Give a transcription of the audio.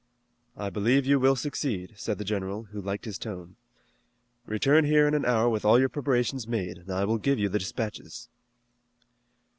"I believe you will succeed," said the general, who liked his tone. "Return here in an hour with all your preparations made, and I will give you the dispatches."